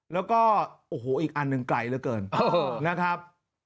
แล้วก็โอ้โหอีกอันนึงไกลเรื่อยเกินเออนะครับ